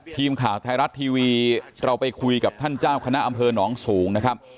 ทีมข่าวไทยรัฐทีวีเราไปคุยกับท่านเจ้าคณะอำเภอหนองสูงนะครับ